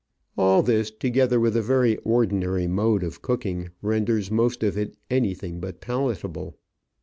All this, together with a very ordinary mode of cooking, renders most of it anything but palatable.